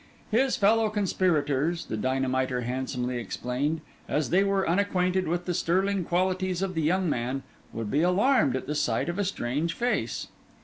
His fellow conspirators, the dynamiter handsomely explained, as they were unacquainted with the sterling qualities of the young man, would be alarmed at the sight of a strange face.